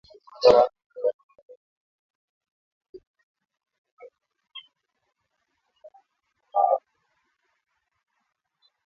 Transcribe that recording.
Waandamanaji wawili waliuawa kwa kupigwa risasi wakati wa maandamano nchini Sudan siku ya Alhamis